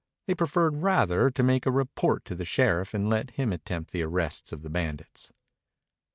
They preferred rather to make a report to the sheriff and let him attempt the arrest of the bandits.